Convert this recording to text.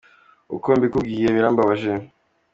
Uko mbikubwiye birambabaje.